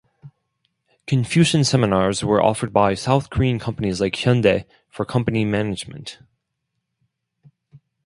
Confucian seminars were offered by South Korean companies like Hyundai for company management.